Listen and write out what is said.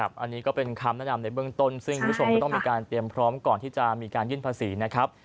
อันนี้ก็เป็นคำแนะนำในเบื้องต้นซึ่งคุณผู้ชมก็ต้องมีการเตรียมพร้อมก่อนที่จะมีการยื่นภาษีนะครับ